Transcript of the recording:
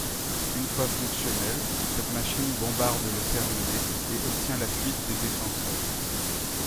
Une fois fonctionnelle, cette machine bombarde le Termenet, et obtient la fuite des défenseurs.